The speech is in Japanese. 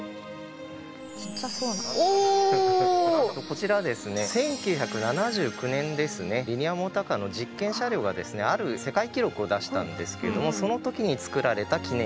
こちらですね１９７９年リニアモーターカーの実験車両がある世界記録を出したんですけれどもその時に作られた記念品になります。